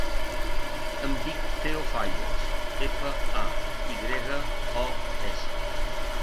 Em dic Teo Fayos: efa, a, i grega, o, essa.